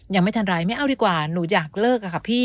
อย่างไม่ทันร้ายไม่เอาดีกว่าหนูอยากเลิกค่ะพี่